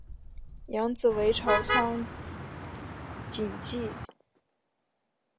养子为朝仓景纪。